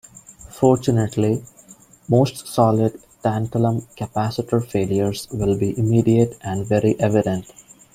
Fortunately, most solid tantalum capacitor failures will be immediate and very evident.